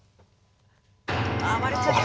ああ割れちゃった。